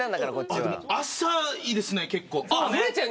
浅いですね結構。